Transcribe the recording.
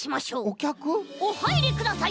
おはいりください。